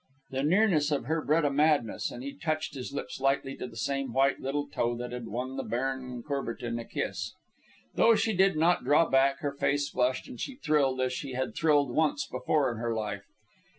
The nearness to her bred a madness, and he touched his lips lightly to the same white little toe that had won the Baron Courbertin a kiss. Though she did not draw back, her face flushed, and she thrilled as she had thrilled once before in her life.